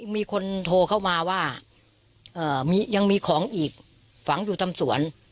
มีคนโทรเข้ามาว่ายังมีของอีกฝังอยู่ทำสวน